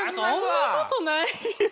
そんなことないよ。